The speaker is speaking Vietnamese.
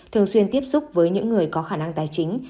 thường xuyên tiếp xúc với những người có khả năng tài chính